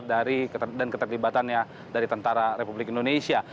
dari dan keterlibatannya dari tentara republik indonesia